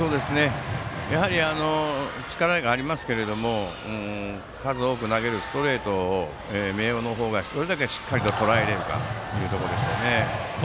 やはり力がありますけども数多く投げるストレートを明桜の方がどれだけしっかりととらえられるかですね。